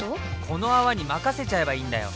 この泡に任せちゃえばいいんだよ！